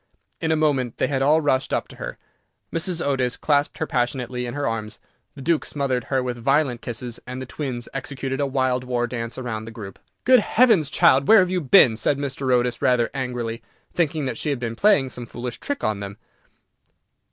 In a moment they had all rushed up to her. Mrs. Otis clasped her passionately in her arms, the Duke smothered her with violent kisses, and the twins executed a wild war dance round the group. [Illustration: "OUT ON THE LANDING STEPPED VIRGINIA"] "Good heavens! child, where have you been?" said Mr. Otis, rather angrily, thinking that she had been playing some foolish trick on them.